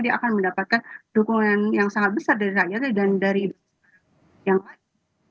dia akan mendapatkan dukungan yang sangat besar dari rakyat dan dari yang lain